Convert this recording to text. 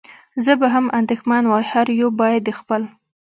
زه به هم اندېښمن وای، هر یو باید د خپل.